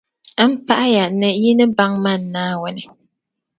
M paɣiya ni yi baŋ man’ Naawuni.